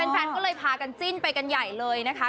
แฟนก็เลยพากันจิ้นไปกันใหญ่เลยนะคะ